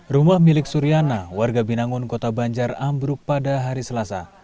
rumah milik suriana warga binangun kota banjar ambruk pada hari selasa